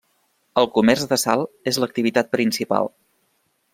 El comerç de sal és l'activitat principal.